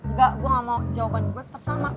nggak gue nggak mau jawaban gue tetap sama